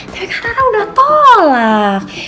tapi kan rara udah tolak